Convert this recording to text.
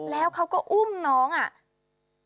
แล้วเขาก็อุ้มน้องอ่ะ